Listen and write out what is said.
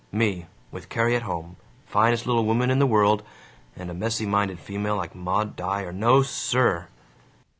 Me, with Carrie at home, finest little woman in the world, and a messy minded female like Maud Dyer no, SIR!